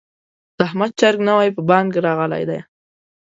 د احمد چرګ نوی په بانګ راغلی دی.